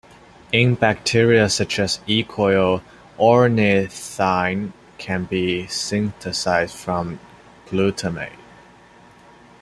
In bacteria, such as "E. coli", ornithine can be synthesized from -glutamate.